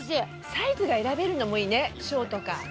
サイズが選べるのもいいね小とか。